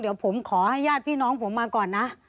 เดี๋ยวผมขอให้ญาติพี่น้องผมมาก่อนนะ